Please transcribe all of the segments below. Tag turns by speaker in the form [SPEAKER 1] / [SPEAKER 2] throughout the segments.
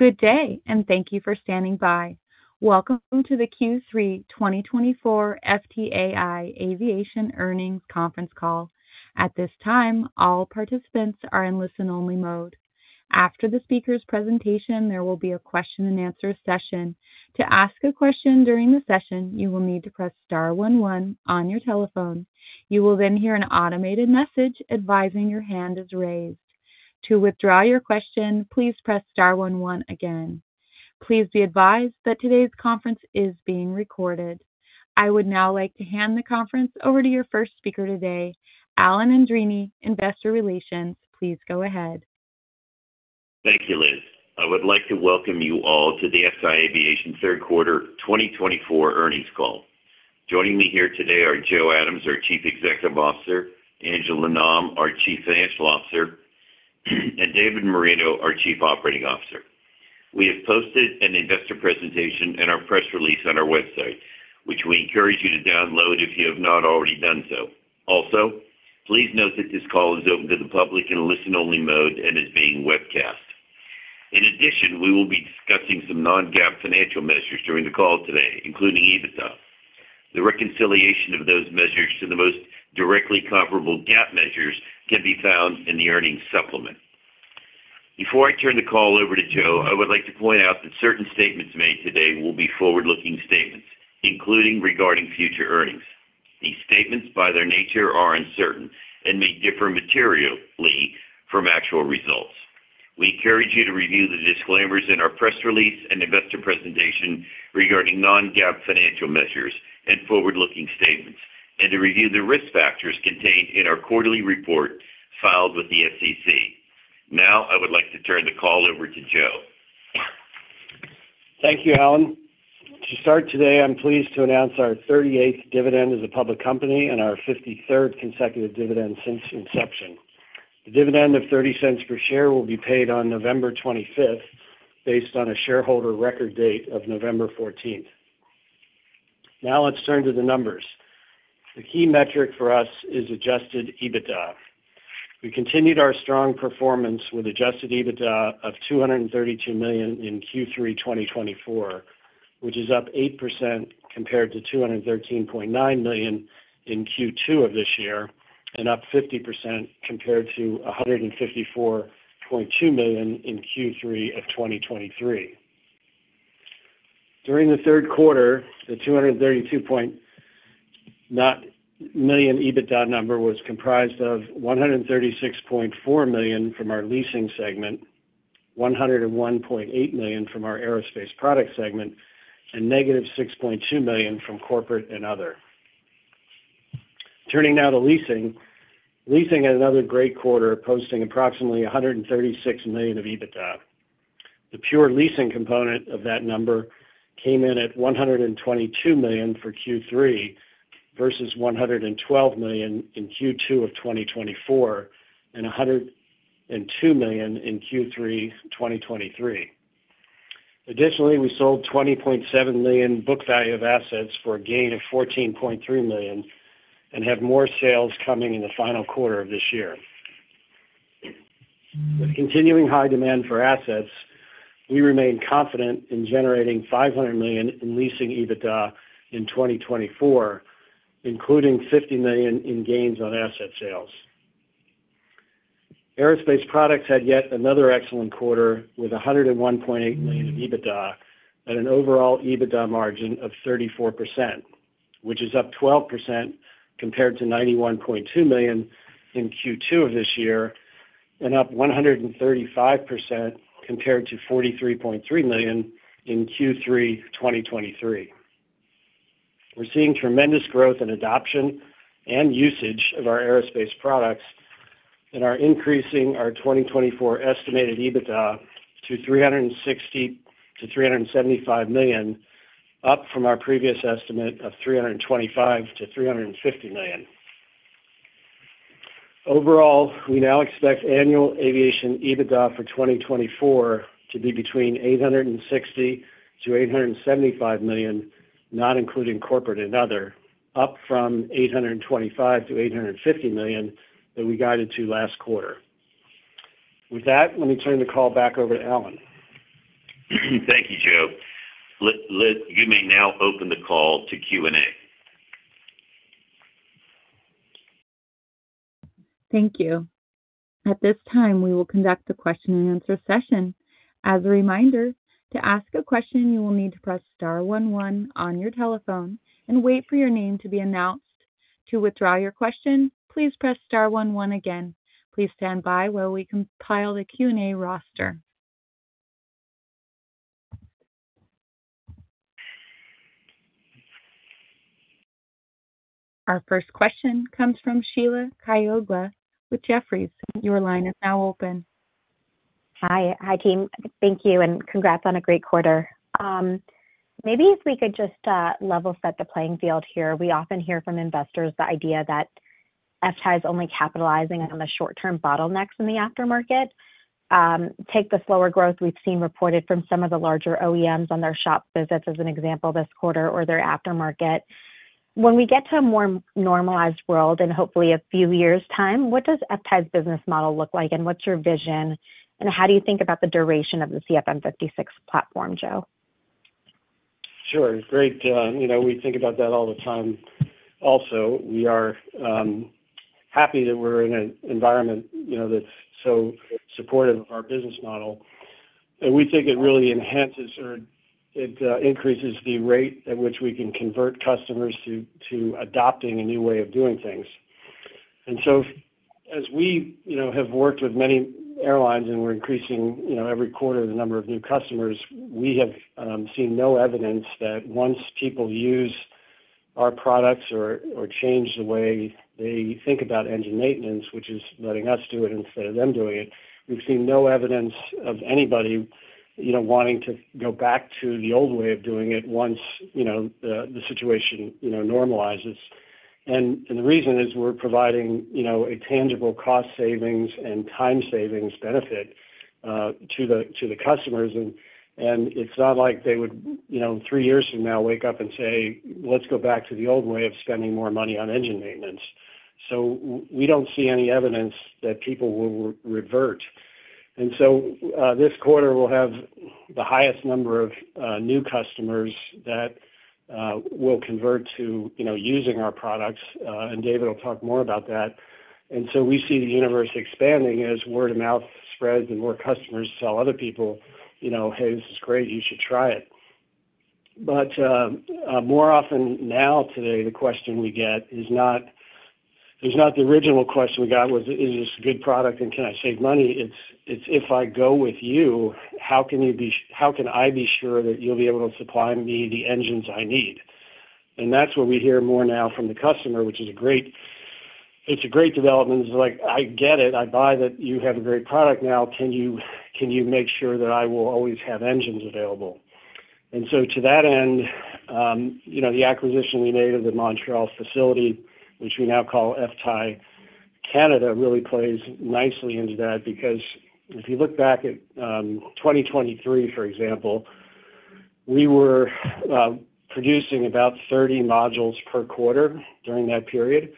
[SPEAKER 1] Good day and thank you for standing by. Welcome to the Q3 2024 FTAI Aviation Earnings Conference call. At this time, all participants are in listen-only mode. After the speaker's presentation, there will be a question and answer session. To ask a question during the session, you will need to press star 11 on your telephone. You will then hear an automated message advising your hand is raised. To withdraw your question, please press star 11 again. Please be advised that today's conference is being recorded. I would now like to hand the conference over to your first speaker today, Alan Andreini, Investor Relations. Please go ahead.
[SPEAKER 2] Thank you, Liz. I would like to welcome you all to the FTAI Aviation third quarter 2024 earnings call. Joining me here today are Joe Adams, our Chief Executive Officer, Angela Nam, our Chief Financial Officer, and David Moreno, our Chief Operating Officer. We have posted an investor presentation and our press release on our website which we encourage you to download if you have not already done so. Also, please note that this call is open to the public in a listen-only mode and is being webcast. In addition, we will be discussing some non-GAAP financial measures during the call today, including EBITDA. The reconciliation of those measures to the most directly comparable GAAP measures can be found in the Earnings Supplement. Before I turn the call over to Joe, I would like to point out that certain statements made today will be forward-looking statements, including regarding future earnings. These statements by their nature are uncertain and may differ materially from actual results. We encourage you to review the disclaimers in our press release and investor presentation regarding non-GAAP financial measures and forward-looking statements and to review the risk factors contained in our quarterly report filed with the SEC. Now I would like to turn the call over to Joe.
[SPEAKER 3] Thank you, Alan. To start today, I'm pleased to announce our 38th dividend as a public company and our 53rd consecutive dividend since inception. The dividend of $0.30 per share will be paid on November 25th based on a shareholder record date of November 14th. Now let's turn to the numbers. The key metric for us is adjusted EBITDA. We continued our strong performance with adjusted EBITDA of $232 million in Q3 2024, which is up 8% compared to $213.9 million in Q2 of this year and up 50% compared to $154 million in Q3 of 2023. During the third quarter, the $232 million EBITDA number was comprised of $136.4 million from our leasing segment, $101.8 million from our aerospace products segment, and negative $6.2 million from Corporate and Other. Turning now to leasing. Leasing had another great quarter, posting approximately $136 million of EBITDA. The Pure Leasing component of that number came in at $122 million for Q3 versus $112 million in Q2 of 2024 and $102 million in Q3 2023. Additionally, we sold $20.7 million book value of assets for a gain of $14.3 million and have more sales coming in the final quarter of this year. With continuing high demand for assets, we remain confident in generating $500 million in leasing EBITDA in 2024, including $50 million in gains on asset sales. Aerospace Products had yet another excellent quarter with $101.8 million of EBITDA and an overall EBITDA margin of 34%, which is up 12% compared to $91.2 million in Q2 of this year and up 135% compared to $43.3 million in Q3 2023. We're seeing tremendous growth in adoption and usage of our aerospace products and are increasing our 2024 estimated EBITDA to $360 million-$375 million, up from our previous estimate of $325 million-$350 million. Overall, we now expect annual aviation EBITDA for 2024 to be between $860 million to $875 million, not including Corporate and Other up from $825 million-$850 million that we guided to last quarter. With that, let me turn the call back over to Alan.
[SPEAKER 2] Thank you Joe. You may now open the call to Q and A.
[SPEAKER 1] Thank you. At this time we will conduct the question and answer session as a reminder. To ask a question, you will need to press Star 11 on your telephone and wait for your name to be announced. To withdraw your question, please press star 11 again. Please stand by while we compile the Q and A roster. Our first question comes from Sheila Kahyaoglu with Jefferies. Your line is now open.
[SPEAKER 4] Hi team, thank you and congrats on a great quarter. Maybe if we could just level set the playing field here. We often hear from investors the idea that FTAI is only capitalizing on the short term bottlenecks in the aftermarket. Take the slower growth we've seen reported from some of the larger OEMs on their shop visits as an example, this quarter or their aftermarket when we get to a more normalized world in hopefully a few years time. What does FTAI's business model look like and what's your vision and how do you think about the duration of the CFM56 platform?
[SPEAKER 1] Joe?
[SPEAKER 3] Sure. Great. We think about that all the time. Also, we are happy that we're in an environment that's so supportive of our business model. And we think it really enhances or it increases the rate at which we can convert customers to adopting a new way of doing things. And so as we have worked with many airlines and we're increasing every quarter the number of new customers, we have seen no evidence that once people use our products or change the way they think about engine maintenance, which is letting us do it instead of them doing it. We've seen no evidence of anybody wanting to go back to the old way of doing it once the situation normalizes. The reason is we're providing a tangible cost savings and time savings benefit to the customers. And it's not like they would three years from now wake up and say, let's go back to the old way of spending more money on engine maintenance. So we don't see any evidence that people will revert. And so this quarter we'll have the highest number of new customers that will convert to using our products. And David will talk more about that. And so we see the universe expanding as word of mouth spreads and more customers tell other people, hey, this is great, you should try it. But more often now, today, the question we get is not. The original question we got was, is this a good product and can I save money? It's if I go with you, how can I be sure that you'll be able to supply me the engines I need? That's what we hear more now from the customer, which is a great, it's a great development. It's like, I get it, I buy that you have a great product. Now can you make sure that I will always have engines available? And so to that end, you know, the acquisition we made of the Montreal facility, which we now call FTAI Canada, really plays nicely into that because if you look back at 2023, for example, we were producing about 30 modules per quarter during that period.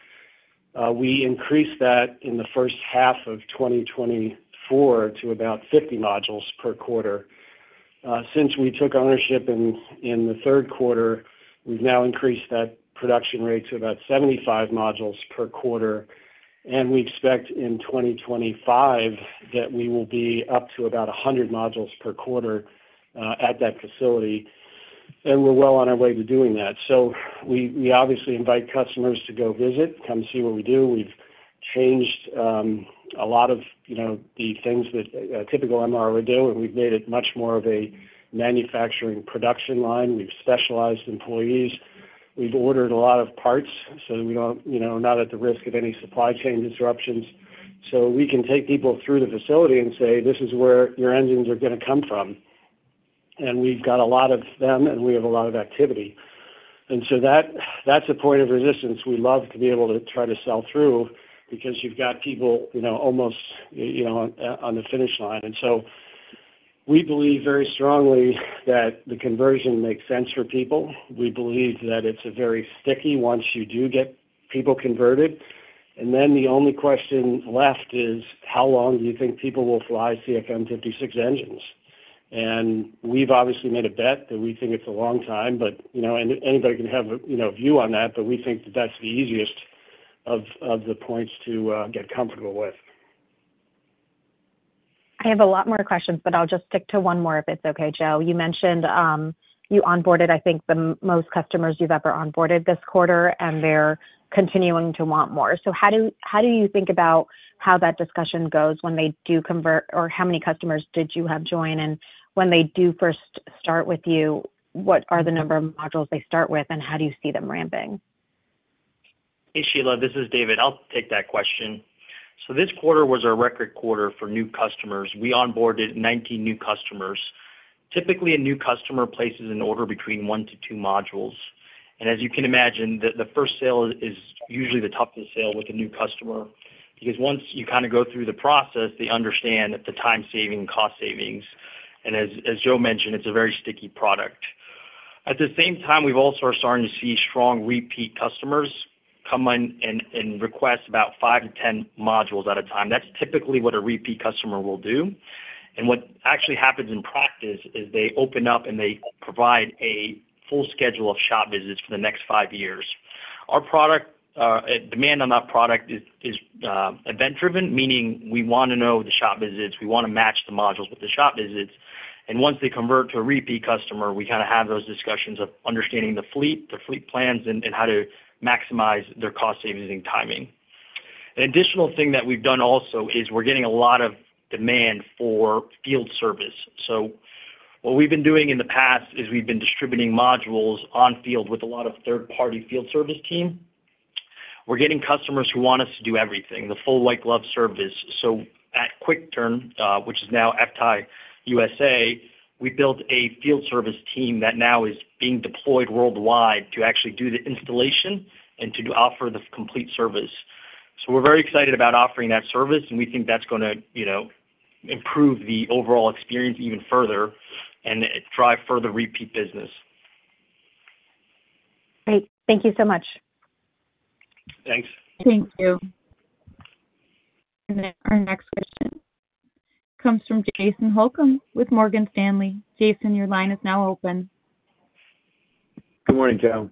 [SPEAKER 3] We increased that in the first half of 2024 to about 50 modules per quarter. Since we took ownership in the third quarter, we've now increased that production rate to about 75 modules per quarter. And we expect in 2025 that we will be up to about 100 modules per quarter at that facility. We're well on our way to doing that. We obviously invite customers to go visit, come see what we do, we've changed a lot of the things that a typical MRO would do, and we've made it much more of a manufacturing production line. We've specialized employees, we've ordered a lot of parts, so we don't, you know, not at the risk of any supply chain disruptions. We can take people through the facility and say, this is where your engines are going to come from. We've got a lot of them and we have a lot of activity. That's a point of resistance. We love to be able to try to sell through because you've got people almost on the finish line. We believe very strongly that the conversion makes sense for people. We believe that it's very sticky once you do get people converted. And then the only question left is, how long do you think people will fly CFM56 engines? And we've obviously made a bet that we think it's a long time, but anybody can have a view on that. But we think that's the easiest of the points to get comfortable with.
[SPEAKER 4] I have a lot more questions, but I'll just stick to one more if it's okay. Joe, you mentioned you onboarded, I think, the most customers you've ever onboarded this quarter, and they're continuing to want more. So how do you think about how that discussion goes when they do convert or how many customers did you have join and when they do first start with you? What are the number of modules they start with and how do you see them ramping?
[SPEAKER 5] Hey, Sheila, this is David. I'll take that question. So this quarter was a record quarter for new customers. We onboarded 19 new customers. Typically, a new customer places an order between one to two modules. And as you can imagine, the first sale is usually the toughest sale with a new customer because once you kind of go through the process, they understand the time saving, cost savings, and as Joe mentioned, it's a very sticky product. At the same time, we also are starting to see strong repeat customers come in and request about five to 10 modules at a time. That's typically what a repeat customer will do. And what actually happens in practice is they open up and they provide a full schedule of shop visits for the next five years. Our product demand on that product is event driven, meaning we want to know the shop visits, we want to match the modules with the shop visits, and once they convert to a repeat customer, we kind of have those discussions of understanding the fleet, the fleet plans, and how to maximize their cost savings and timing. An additional thing that we've done also is we're getting a lot of demand for field service, so what we've been doing in the past is we've been distributing modules in the field with a lot of third party field service team. We're getting customers who want us to do everything, the full white glove service, so at QuickTurn, which is now FTAI USA, we built a field service team that now is being deployed worldwide to actually do the installation and to offer the complete service. So we're very excited about offering that service and we think that's going to improve the overall experience even further and drive further repeat business.
[SPEAKER 1] Great.
[SPEAKER 4] Thank you so much.
[SPEAKER 3] Thanks.
[SPEAKER 1] Thank you. Our next question comes from Jason Holcomb with Morgan Stanley. Jason, your line is now open.
[SPEAKER 6] Good morning, Joe.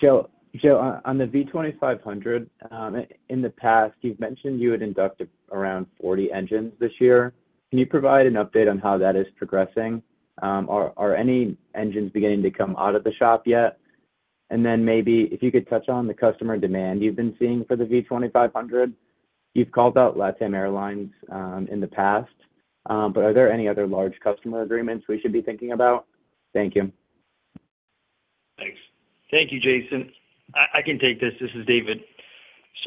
[SPEAKER 6] Joe, on the V2500, in the past you've mentioned you had inducted around 40 engines this year. Can you provide an update on how that is progressing?
[SPEAKER 5] Are any engines beginning to come out?
[SPEAKER 3] of the shop yet? And then maybe if you could touch.
[SPEAKER 5] On the customer demand you've been seeing for the V2500. You've called out LATAM Airlines in the.
[SPEAKER 3] Past, but are there any other large.
[SPEAKER 6] Customer agreements we should be thinking about? Thank you. Thanks.
[SPEAKER 5] Thank you, Jason. I can take this. This is David.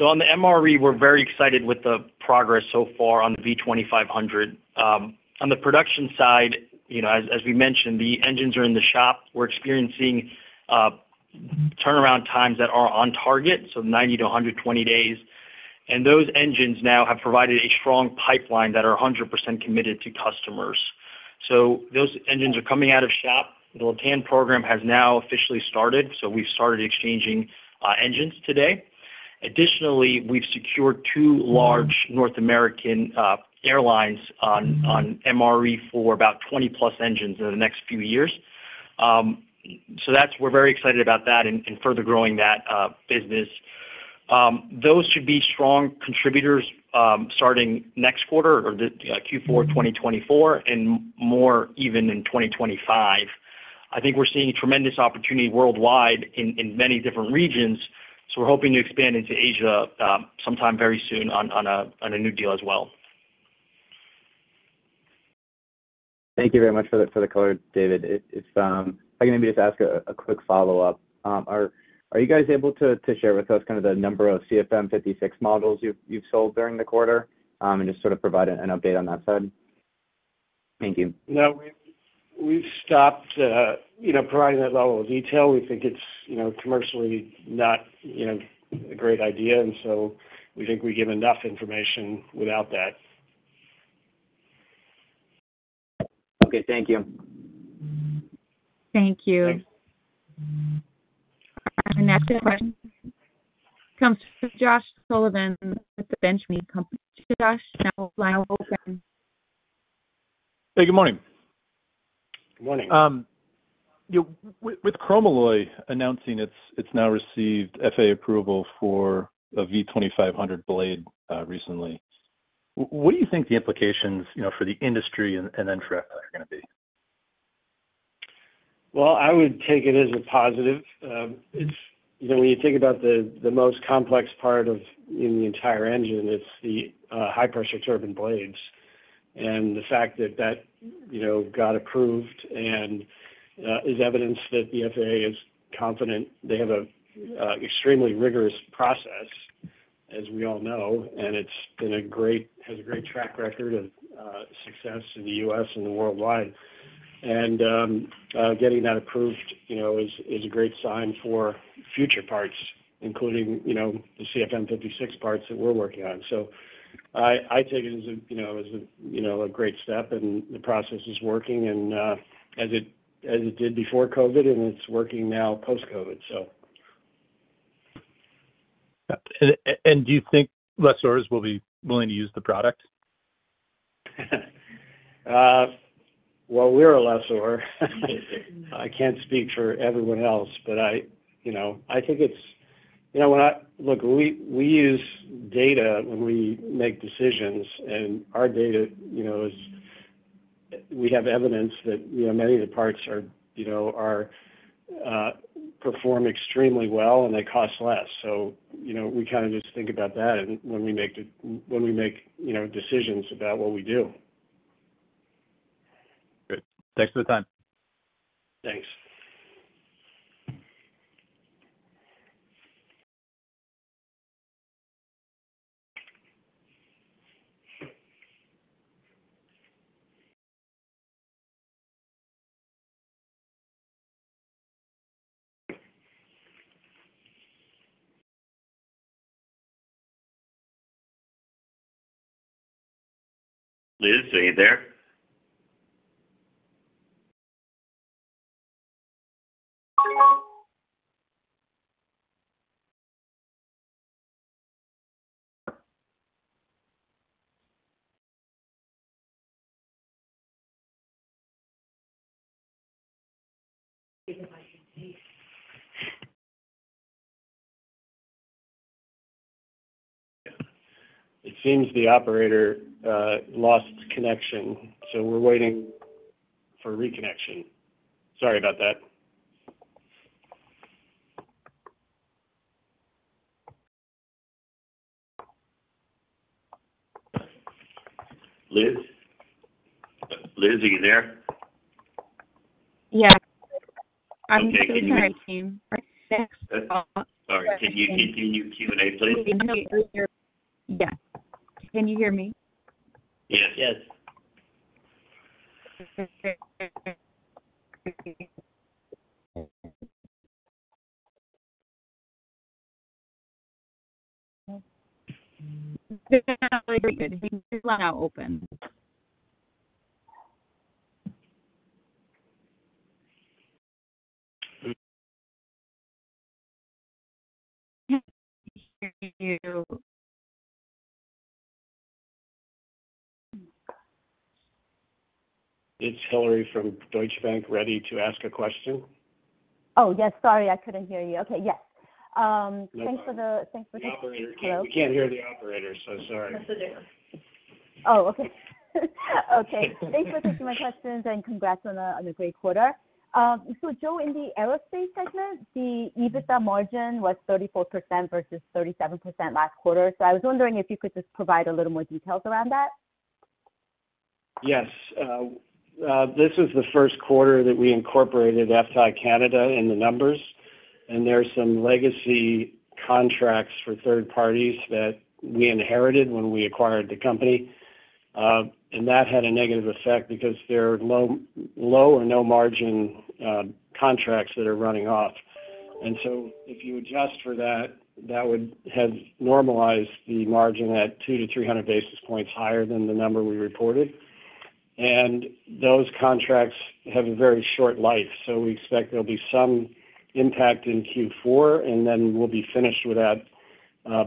[SPEAKER 5] On the MRE, we're very excited with the progress so far on the V2500 on the production side, as we mentioned, the engines are in the shop. We're experiencing turnaround times that are on target, so 90-120 days. And those engines now have provided a strong pipeline that are 100% committed to customers. So those engines are coming out of shop. The LATAM program has now officially started, so we've started exchanging engines today. Additionally, we've secured two large North American airlines on MRE for about 20 plus engines in the next few years. So we're very excited about that and further growing that business. Those should be strong contributors starting next quarter or Q4, 2024 and more. Even in 2025, I think we're seeing tremendous opportunity worldwide in many different regions. We're hoping to expand into Asia sometime very soon on a new deal as well.
[SPEAKER 6] Thank you very much for the color. David, if I can maybe just ask. A quick follow up, are you guys able to share with us kind of the number of CFM56 models you've sold during the quarter and just sort of provide an update on that side? Thank you.
[SPEAKER 5] We stopped providing that level of detail. We think it's commercially not a great idea. And so we think we give enough information without that.
[SPEAKER 6] Okay, thank you.
[SPEAKER 1] Thank you. Comes from Josh Sullivan with the Benchmark Company. Josh.
[SPEAKER 7] Hey, good morning.
[SPEAKER 3] Good morning.
[SPEAKER 7] With Chromalloy announcing it's now received. FAA approval for a V2500 blade recently. What do you think the implications for the industry and then for FTAI are going. To.
[SPEAKER 3] I would take it as a positive when you think about the most complex part in the entire engine; it's the high-pressure turbine blades. The fact that that got approved is evidence that the FAA is confident. They have an extremely rigorous process, as we all know. It has a great track record of success in the U.S. and worldwide. Getting that approved, you know, is a great sign for future parts, including, you know, the CFM56 parts that we're working on. I take it as, you know, a great step. The process is working as it did before COVID, and it's working now post-COVID. Do you think lessors will be.
[SPEAKER 7] Willing to use the product? We're a lessor. I can't speak for everyone else, but, you know, I think it's, you know, look, we use data when we make decisions, and our data, you know, is we have evidence that, you know, many of the parts are, you know, perform extremely well and they cost less, so, you know, we kind of just think about that when we make, you know, decisions about what we do. Good. Thanks for the time.
[SPEAKER 3] Thanks.
[SPEAKER 2] Liz, are you there?
[SPEAKER 3] It seems the operator lost connection, so we're waiting for reconnection. Sorry about that. Liz?
[SPEAKER 2] Liz, are you there?
[SPEAKER 1] Yeah, okay.
[SPEAKER 2] Sorry, can you continue Q and A, please?
[SPEAKER 1] Yeah, can you hear me?
[SPEAKER 3] Yes, yes. It's Hillary from Deutsche Bank, ready to ask a question.
[SPEAKER 8] Oh, yes, sorry, I couldn't hear you. Okay.
[SPEAKER 2] Yes, thanks for joining.
[SPEAKER 3] We can't hear the operator. So sorry.
[SPEAKER 8] Oh, okay.
[SPEAKER 3] Okay.
[SPEAKER 8] Thanks for taking my questions and congrats on a great quarter. So, Joe, in the aerospace segment, the EBITDA margin was 34% versus 37% last quarter. So I was wondering if you could just provide a little more details around that?
[SPEAKER 3] Yes, this is the first quarter that we incorporated FTAI Canada in the numbers, and there are some legacy contracts for third parties that we inherited when we acquired the company, and that had a negative effect because there are low or no margin contracts that are running off, and so if you adjust for that, that would have normalized the margin at 200-300 basis points higher than the number we reported, and those contracts have a very short life, so we expect there'll be some impact in Q4 and then we'll be finished with that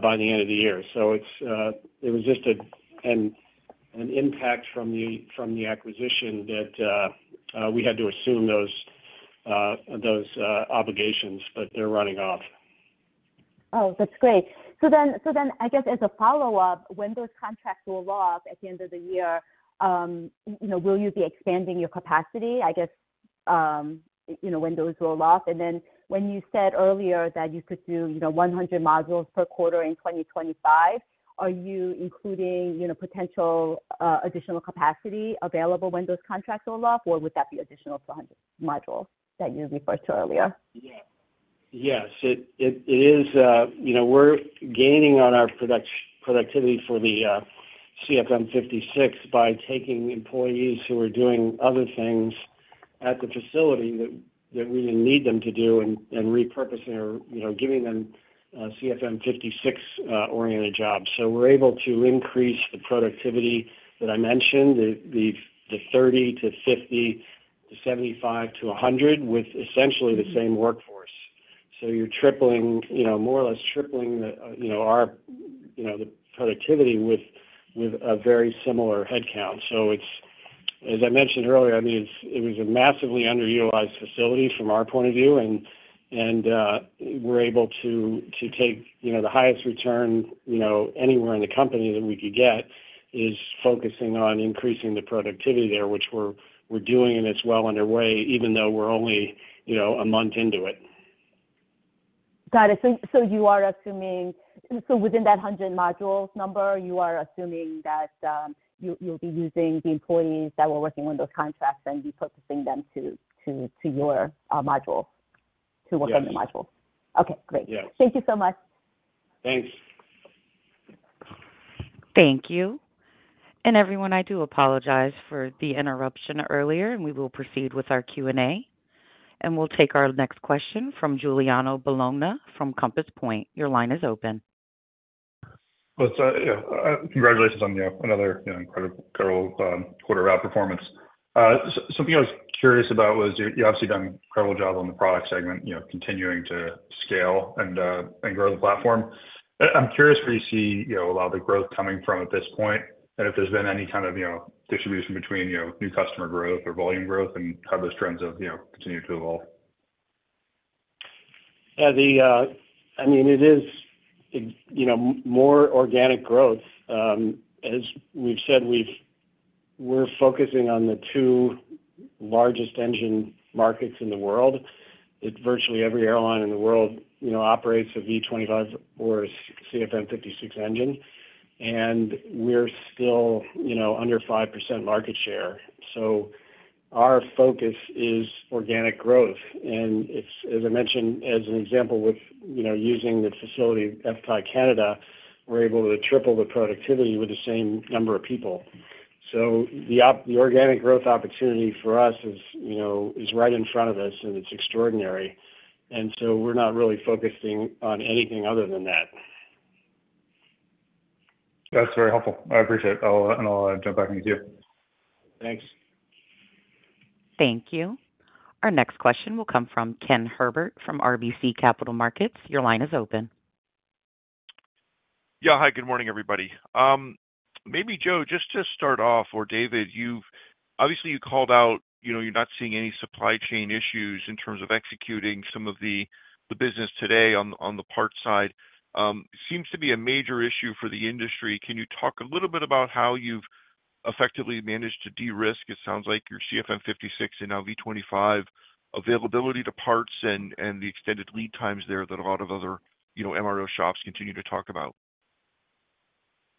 [SPEAKER 3] by the end of the year, so it was just an impact from the acquisition that we had to assume those obligations, but they're running off.
[SPEAKER 7] Oh, that's great. So then I guess as a follow up, when those contracts roll off at the end of the year, will you be expanding your capacity? I guess when those roll off. And then when you said earlier that you could do 100 modules per quarter in 2025, are you including potential additional capacity available when those contracts roll off or would that be additional 400 modules that you referred to earlier?
[SPEAKER 3] Yes, it is. We're gaining on our productivity for the CFM56 by taking employees who are doing other things at the facility that we need them to do and repurposing or giving them CFM56 oriented jobs. So we're able to increase the productivity that I mentioned, the 30 to 50 to 75 to 100 with essentially the same workforce. So you're tripling, more or less tripling our productivity with a very similar headcount. So it's as I mentioned earlier, I mean it was a massively underutilized facility from our point of view and we're able to take the highest return anywhere in the company that we could get is focusing on increasing the productivity there, which we're doing and it's well underway even though we're only a month into it.
[SPEAKER 8] Got it. So you are assuming. So within that 100 modules number, you are assuming that you'll be using the employees that were working on those contracts and repurposing them to your module to work on your module. Okay, great. Thank you so much.
[SPEAKER 3] Thanks.
[SPEAKER 1] Thank you, and everyone, I do apologize for the interruption earlier and we will proceed with our Q and A, and we'll take our next question from Giuliano Bologna from Compass Point. Your line is open.
[SPEAKER 9] Congratulations on another incredible quarter of outperformance. Something I was curious about was you've obviously done an incredible job on the product segment, continuing to scale and grow the platform. I'm curious where you see a lot of the growth coming from at this point, and if there's been any kind of. Distribution between new customer growth or volume growth and how those trends have continued to evolve.
[SPEAKER 3] I mean it is more organic growth. As we've said, we're focusing on the two largest engine markets in the world. Virtually every airline in the world operates a V2500 or CFM56 engine and we're still under 5% market share. So our focus is organic growth. And as I mentioned as an example, with using the facility FTAI Canada, we're able to triple the productivity with the same number of people. So the organic growth opportunity for us is right in front of us and it's extraordinary. And so we're not really focusing on anything other than that. That's very helpful. I appreciate it and I'll jump back in with you.
[SPEAKER 5] Thanks.
[SPEAKER 1] Thank you. Our next question will come from Ken Herbert from RBC Capital Markets. Your line is open.
[SPEAKER 10] Yeah. Hi. Good morning, everybody. Maybe Joe, just to start off or David, obviously you called out. You know, you're not seeing any supply chain issues in terms of executing some of the business today. On the parts side seems to be a major issue for the industry. Can you talk a little bit about how you've effectively managed to de-risk? It sounds like your CFM56 and now V2500 availability to parts and the extended lead times there that a lot of other MRO shops continue to talk about.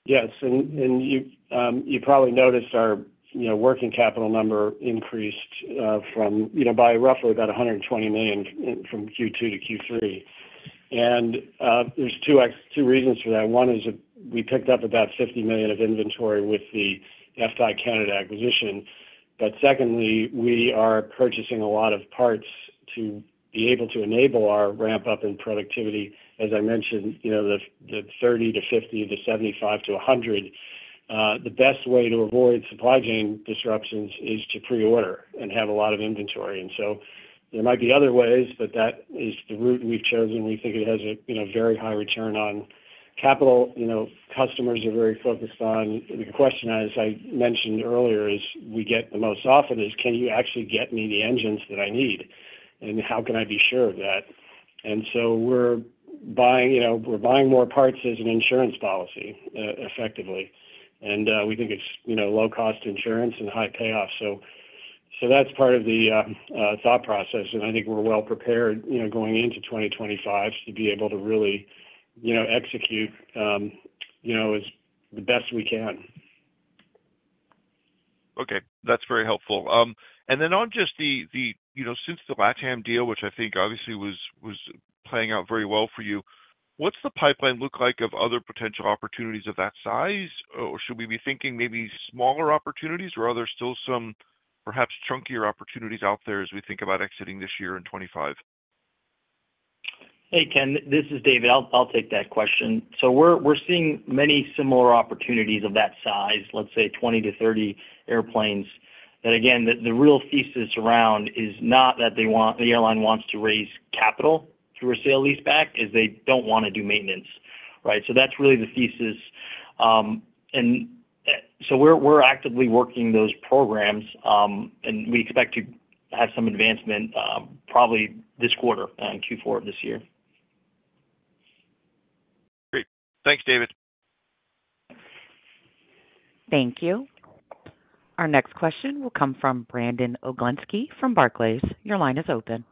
[SPEAKER 3] Yes, and you probably noticed our working capital number increased by roughly about $120 million from Q2 to Q3. And there's two reasons for that. One is we picked up about $50 million of inventory with the FTAI Canada acquisition. But secondly we are purchasing a lot of parts to be able to enable our ramp up in productivity. As I mentioned the 30 to 50 to 75 to 100. The best way to avoid supply chain disruptions is to pre-order and have a lot of inventory. There might be other ways, but that is the route we've chosen. We think it has a very high return on capital. Customers are very focused on. The question, as I mentioned earlier, we get the most often is can you actually get me the engines that I need and how can I be sure of that? And so we're buying, we're buying more parts as an insurance policy effectively, and we think it's low cost insurance and high payoff. So. So that's part of the thought process, and I think we're well prepared going into 2025 to be able to really execute the best we can.
[SPEAKER 10] Okay, that's very helpful. And then on just since the LATAM deal, which I think obviously was playing out very well for you, what's the pipeline look like of other potential opportunities of that size? Or should we be thinking maybe smaller opportunities or are there still some perhaps chunkier opportunities out there as we think about exiting this year in 2025?
[SPEAKER 5] Hey, Ken, this is David. I'll take that question. So we're seeing many similar opportunities of that size, let's say 20 to 30 airplanes. That again, the real thesis around is not that the airline wants to raise capital through a sale-leaseback. Is they don't want to do maintenance. Right. So that's really the thesis. And so we're actively working those programs and we expect to have some advancement probably this quarter in Q4 of this year. Great. Thanks, David.
[SPEAKER 1] Thank you. Our next question will come from Brandon Oglenski from Barclays. Your line is open.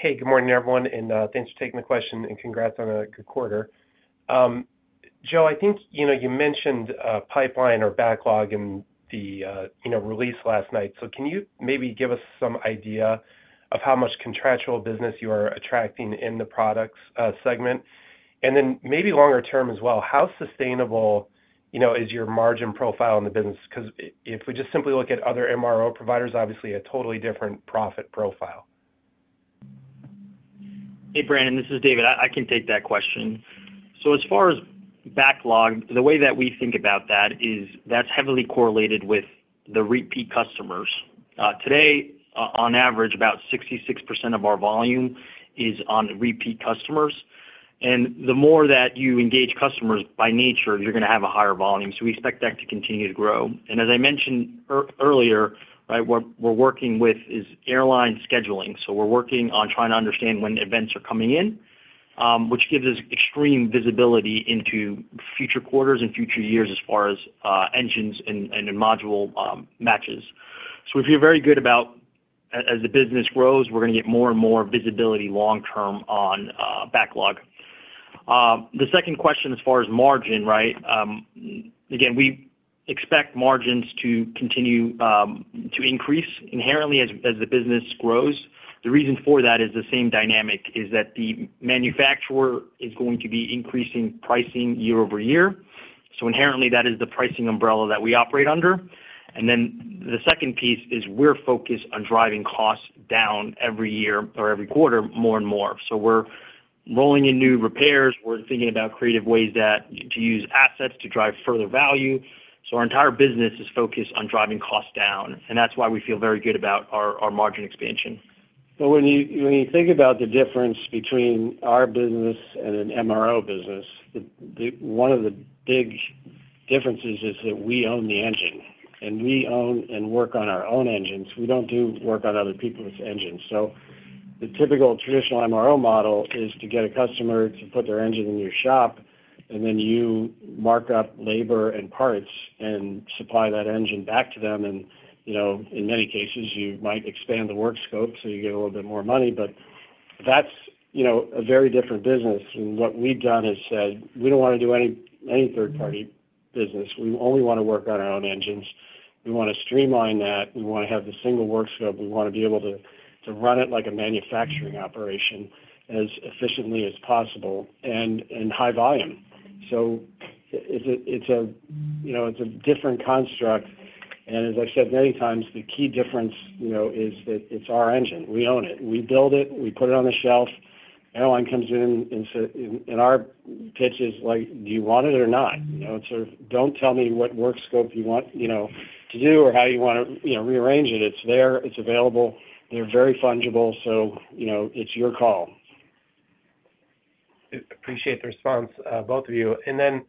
[SPEAKER 11] Hey, good morning everyone and thanks for taking the question and congrats on a good quarter. Joe, I think you mentioned pipeline or backlog in the release last night. So can you maybe give us some idea of how much contractual business you are attracting in the products segment and then maybe longer term as well? How sustainable is your margin profile in the business? Because if we just simply look at other MRO providers, obviously a totally different profit profile.
[SPEAKER 5] Hey, Brandon, this is David. I can take that question. So as far as backlog, the way that we think about that is that's heavily correlated with the repeat customers. Today, on average about 66% of our volume is on repeat customers. And the more that you engage customers, by nature you're going to have a higher volume. So we expect that to continue to grow. And as I mentioned earlier, what we're working with is airline scheduling. So we're working on trying to understand when events are coming in, which gives us extreme visibility into future quarters and future years as far as engines and module matches. So we feel very good about. The business grows, we're going to get more and more visibility long-term on backlog. The second question, as far as margin, right, again, we expect margins to continue to increase inherently as the business grows. The reason for that is the same dynamic is that the manufacturer is going to be increasing pricing year-over-year, so inherently that is the pricing umbrella that we operate under, and then the second piece is we're focused on driving costs down every year or every quarter more and more, so we're rolling in new repairs. We're thinking about creative ways to use assets to drive further value, so our entire business is focused on driving costs down and that's why we feel very good about our margin expansion.
[SPEAKER 3] When you think about the difference between our business and an MRO business, one of the big differences is that we own the engine and we own and work on our own engines. We don't do work on other people's engines. So the typical traditional MRO model is to get a customer to put their engine in your shop and then you mark up labor and parts and supply that engine back to them, and, you know, in many cases, you might expand the work scope so you get a little bit more money, but that's, you know, a very different business, and what we've done is said we don't want to do any third party business. We only want to work on our own engines. We want to streamline that. We want to have the single work scope. We want to be able to run it like a manufacturing operation as efficiently as possible and high volume. So it's a different construct. And as I've said many times, the key difference is that it's our engine. We own it, we build it, we put it on the shelf. Everyone comes in and our pitch is like, do you want it or not? Don't tell me what work scope you want to do or how you want to rearrange it. It's there, it's available. They're very fungible. So it's your call.
[SPEAKER 11] Appreciate the response, both of you. And then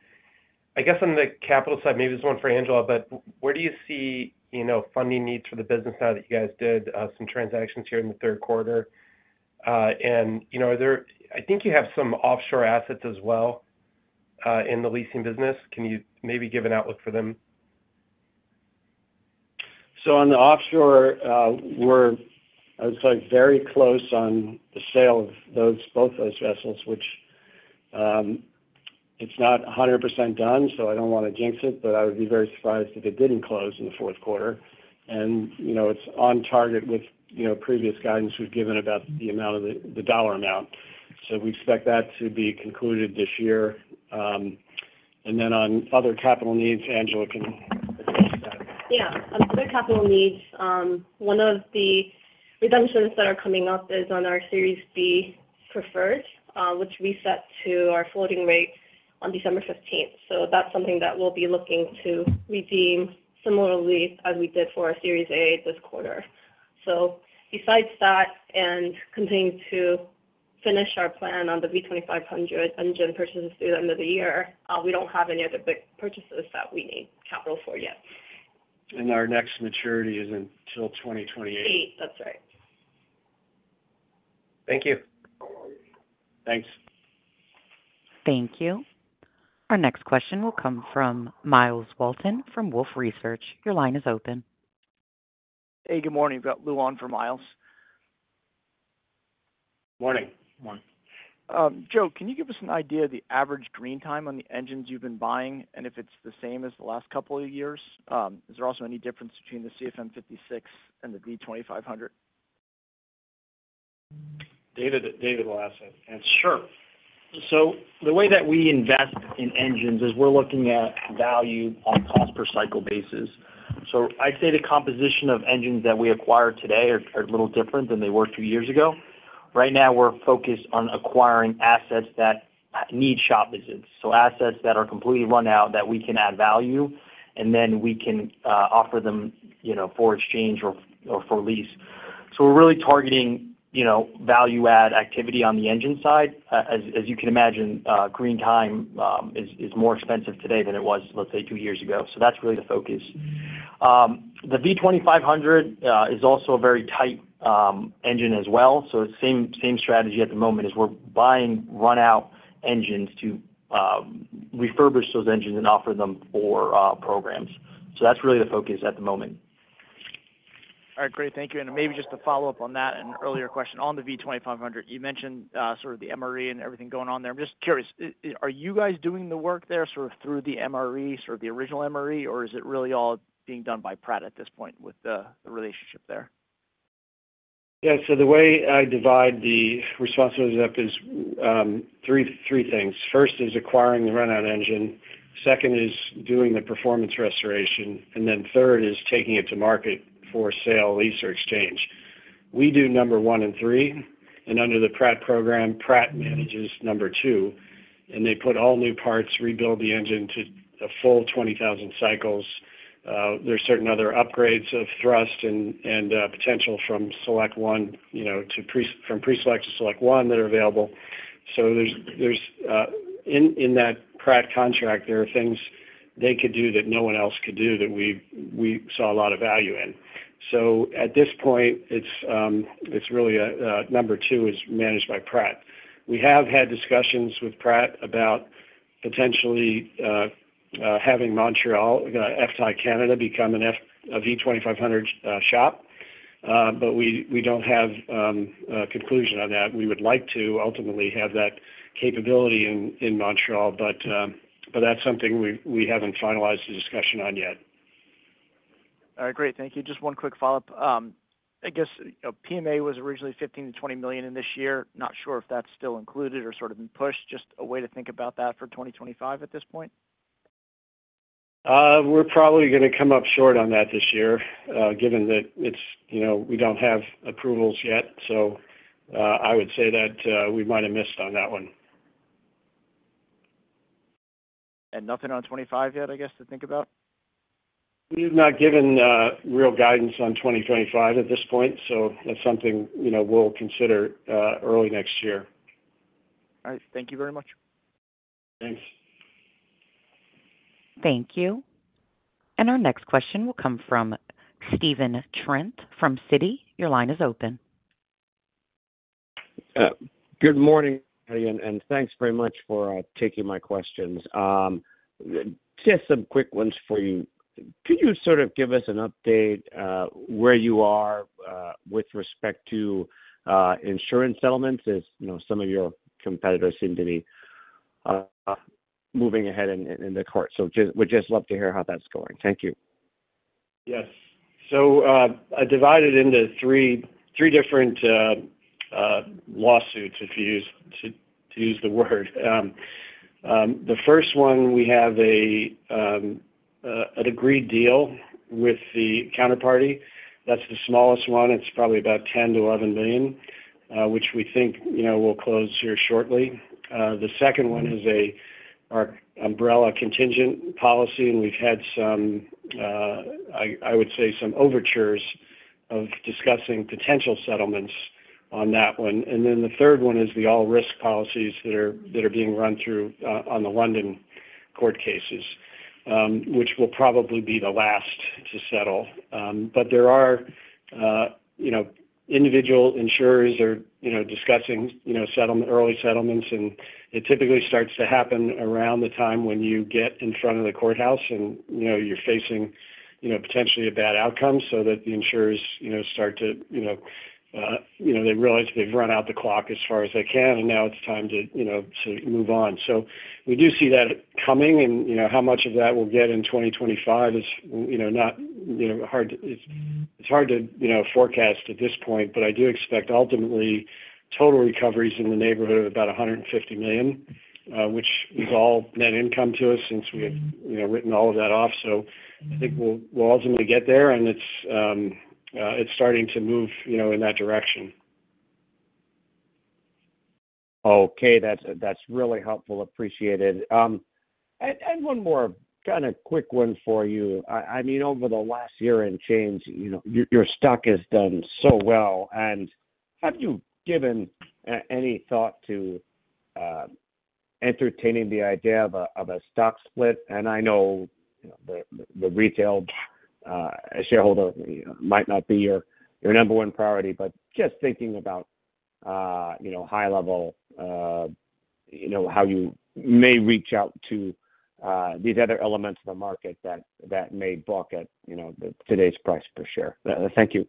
[SPEAKER 11] I guess on the capital side, maybe this is one for Angela. But where do you see funding needs? For the business now that you guys. Did some transactions here in the third quarter and I think you have some offshore assets as well in the leasing business. Can you maybe give an outlook for them?
[SPEAKER 3] So on the offshore, we're, I would say, very close on the sale of those, both those vessels, which it's not 100% done. So I don't want to jinx it, but I would be very surprised if it didn't close in the fourth quarter. And, you know, it's on target with, you know, previous guidance we've given about the amount of the dollar amount. So we expect that to be concluded this year. And then on other capital needs, Angela can. Yeah, on other capital needs, one of.
[SPEAKER 12] The redemptions that are coming up is on our Series B preferred, which we set to our floating rate on December 15th. So that's something that we'll be looking to redeem similarly, as we did for. Our Series A this quarter. Besides stocking and continuing to finish our plan on the V2500 engine purchases. Through the end of the year. We don't have any other big purchases that we need capital for yet. And our next maturity is until 2028. That's right.
[SPEAKER 11] Thank you.
[SPEAKER 5] Thanks.
[SPEAKER 1] Thank you. Our next question will come from Miles Walton from Wolfe Research. Your line is open.
[SPEAKER 13] Hey, good morning. We've got Lou on for Miles.
[SPEAKER 3] Morning, Joe.
[SPEAKER 13] Can you give us an idea of the average green time on the engines you've been buying and if it's the same as the last couple of years? Is there also any difference between the CFM56 and the V2500?
[SPEAKER 3] David will ask.
[SPEAKER 5] Sure. The way that we invest in. On engines, we're looking at value on a cost per cycle basis. So I'd say the composition of engines that we acquire today are a little different than they were two years ago. Right now we're focused on acquiring assets that need shop visits. So assets that are completely run out that we can add value and then we can offer them for exchange or for lease. So we're really targeting value add activity on the engine side. As you can imagine, green time is more expensive today than it was, let's say, two years ago. So that's really the focus. The V2500 is also a very tight engine as well. So same strategy at the moment is we're buying run out engines to refurbish those engines and offer them for programs. So that's really the focus at the moment.
[SPEAKER 13] All right, great, thank you. Maybe just to follow up on that, an earlier question on the V2500, you mentioned sort of the MRE and everything going on there. I'm just curious, are you guys doing the work there sort of through the MRE, sort of the original MRE, or is it really all being done by Pratt at this point with the relationship there?
[SPEAKER 3] Yeah. So the way I divide the responsibilities up is three things. First is acquiring the runout engine. Second is doing the performance restoration, and then third is taking it to market for sale, lease or exchange. We do number one and three. And under the Pratt program, Pratt manages number two, and they put all new parts, rebuild the engine to a full 20,000 cycles. There are certain other upgrades of thrust and potential from SelectOne, from PreSelect to SelectOne that are available. So in that Pratt contract, there are things they could do that no one else could do that we, we saw a lot of value in. So at this point, it's really. Number two is managed by Pratt. We have had discussions with Pratt about potentially having Montreal FTAI Canada become a V2500 shop, but we don't have conclusion on that. We would like to ultimately have that capability in Montreal, but that's something we haven't finalized the discussion on yet.
[SPEAKER 6] All right, great.
[SPEAKER 1] Thank you.
[SPEAKER 5] Just one quick follow up, I guess PMA was originally $15 million-$20 million in this year. Not sure if that's still included or sort of been pushed. Just a way to think about that for 2025 at this point.
[SPEAKER 3] We're probably going to come up short on that this year, given that it's, you know, we don't have approvals yet. So I would say that we might have missed on that one.
[SPEAKER 5] Nothing on 25 yet, I guess, to think about.
[SPEAKER 3] We have not given real guidance on 2025 at this point. So that's something we'll consider early next year. All right. Thank you very much.
[SPEAKER 13] Thanks.
[SPEAKER 1] Thank you. And our next question will come from Stephen Trent from Citi. Your line is open.
[SPEAKER 14] Good morning, and thanks very much for taking my questions. Just some quick ones for you. Could you sort of give us an update where you are with respect to insurance settlements? As, you know, some of your competitors seem to be moving ahead in the court. So we'd just love to hear how that's going. Thank you.
[SPEAKER 3] Yes. So I divided into three different lawsuits, if you use the word. The first one, we have an agreed deal with the counterparty. That's the smallest one. It's probably about $10 million-$11 million, which we think will close here shortly. The second one is our umbrella contingent policy and we've had some, I would say some overtures of discussing potential settlements on that one. The third one is the all risk policies that are being run through on the London court cases, which will probably be the last to settle. But there are, you know, individual insurers are, you know, discussing early settlements, and it typically starts to happen around the time when you get in front of the courthouse and, you know, you're facing, you know, potentially a bad outcome. So the insurers, you know, start to, you know, you know, they realize they've run out the clock as far as they can and now it's time to, you know, move on. So we do see that coming and you know, how much of that we'll get in 2025 is, you know, not, you know, hard. It's hard to forecast at this point, but I do expect ultimately total recoveries in the neighborhood of about $150 million, which is all net income to us since we have written all of that off, so I think we'll ultimately get there and it's starting to move in that direction.
[SPEAKER 14] Okay, that's really helpful. Appreciate it, and one more kind of quick one for you. I mean, over the last year in gains, your stock has done so well, and have you given any thought to entertaining the idea of a stock split? and I know the retail shareholder might not be your number one priority, but just thinking about high-level. How you. May reach out to these other elements of the market that may buck at today's price per share. Thank you.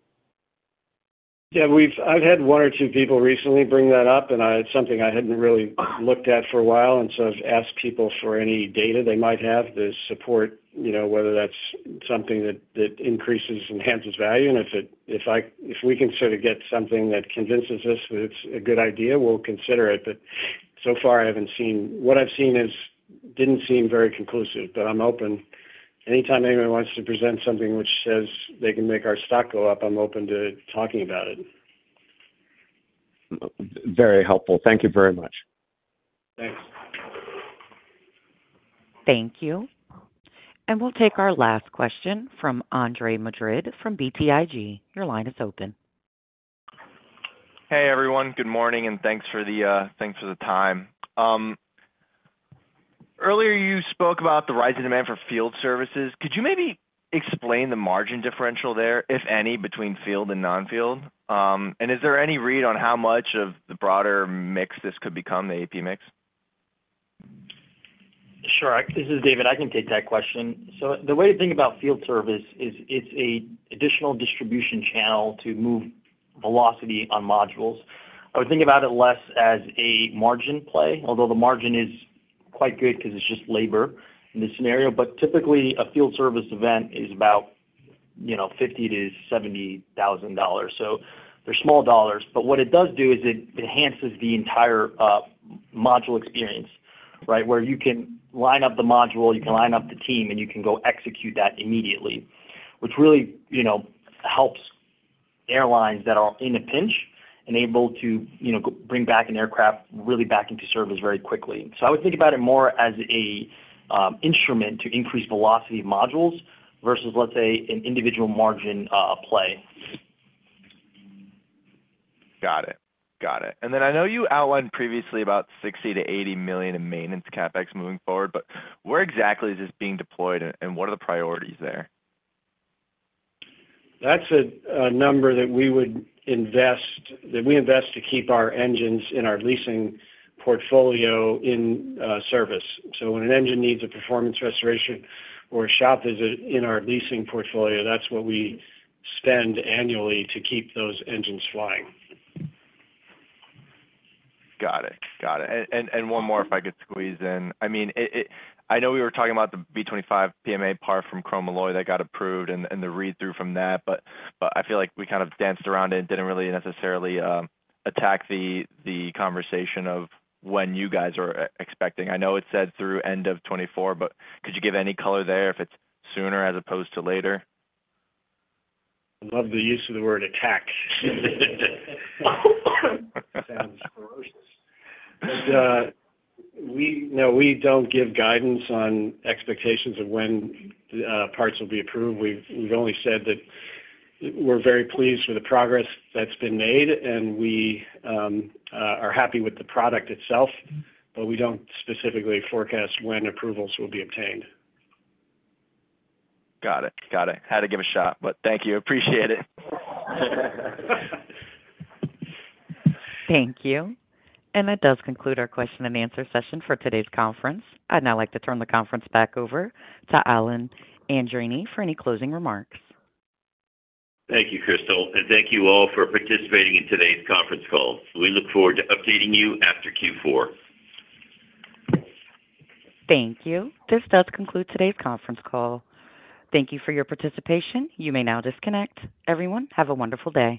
[SPEAKER 5] Yeah, I've had one or two people recently bring that up and it's something I hadn't really looked at for a while, and so I've asked people for any data they might have to support, you know, whether that's something that increases, enhances value, and if it, if I, if we can sort of get something that convinces us that it's a good idea, we'll consider it, but so far I haven't seen. What I've seen is, didn't seem very conclusive, but I'm open to anytime anyone wants to present something which says they can make our stock go up, I'm open to talking about it.
[SPEAKER 14] Very helpful, thank you very much.
[SPEAKER 5] Thanks.
[SPEAKER 1] Thank you, and we'll take our last question from Andrew Madrid from BTIG. Your line is open.
[SPEAKER 9] Hey everyone, good morning and thanks for the time. Earlier you spoke about the rise in. Demand for field services. Could you maybe explain the margin differential there, if any, between field and non field? And is there any read on how much of the broader mix this could become, the AP mix?
[SPEAKER 5] Sure. This is David. I can take that question. The way to think about field service is it's an additional distribution channel to move velocity on modules. I would think about it less as a margin play, although the margin is. Quite good because it's just labor in this scenario. But typically a field service event is about $50,000-$70,000. They're small dollars. But what it does do is it enhances the entire module experience where you can line up the module, you can line up the team and you can go execute that immediately, which really helps airlines that are in a pinch and able to bring back an aircraft really back into service very quickly. So I would think about it more as an instrument to increase velocity of modules versus let's say an individual margin play.
[SPEAKER 9] Got it. Got it. And then I know you outlined previously about $60 million-$80 million in maintenance CapEx moving forward. But where exactly is this being deployed and what are the priorities there?
[SPEAKER 3] That's a number that we would invest, that we invest to keep our engines in our leasing portfolio in service. So when an engine needs a performance restoration or a shop visit in our leasing portfolio, that's what we spend annually to keep those engines flying.
[SPEAKER 9] Got it, got it. And one more, if I could squeeze in, I mean, I know we were talking about the V2500 PMA part from Chromalloy that got approved and the read-through from that, but I feel like we kind of danced around it and didn't really necessarily attack the conversation of when you guys are expecting. I know it said through end of 2024, but could you give any color there if it's sooner as opposed to later?
[SPEAKER 3] I love the use of the word attack. We don't give guidance on expectations of when parts will be approved. We've only said that we're very pleased with the progress that's been made and we are happy with the product itself, but we don't specifically forecast when approvals will be obtained.
[SPEAKER 9] Got it, got it. Had to give a shot, but thank you.
[SPEAKER 3] Appreciate it.
[SPEAKER 1] Thank you. And that does conclude our question and answer session for today's conference. I'd now like to turn the conference back over to Alan Andreini for any closing remarks.
[SPEAKER 2] Thank you, Crystal. And thank you all for participating in today's conference call. We look forward to updating you after Q4.
[SPEAKER 1] Thank you. This does conclude today's conference call. Thank you for your participation. You may now disconnect. Everyone, have a wonderful day.